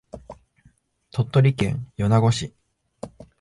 鳥取県米子市